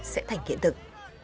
sẽ thành kiện thực